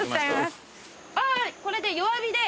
あぁこれで弱火で。